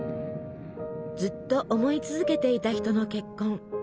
ずっと思い続けていた人の結婚。